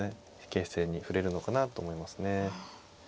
形勢に振れるのかなと思いますね。